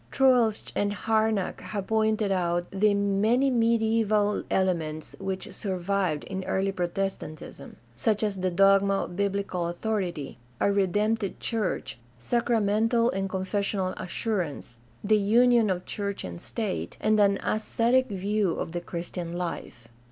— Troeltsch and Harnack have pointed out the many mediaeval elements which survived in early Protes tantism, such as the dogma of biblical authority, a redemptive church, sacramental and confessional assurance, the union of church and state, and an ascetic view of the Christian life.